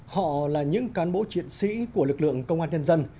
họ là những cán bộ chiến sĩ của lực lượng công an nhân dân